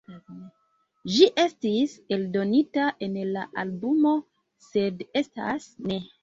Ĝi estis eldonita en la albumo "Sed estas ne..."